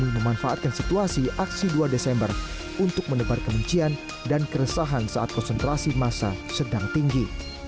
memanfaatkan situasi aksi dua desember untuk menebar kebencian dan keresahan saat konsentrasi masa sedang tinggi